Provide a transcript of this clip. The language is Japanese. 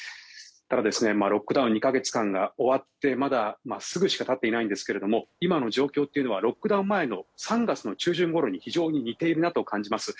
ただ、ロックダウンの２か月間が終わって、まだ、すぐしか経っていないんですが今の状況はロックダウン前の３月中旬ごろに非常に似ているなと感じます。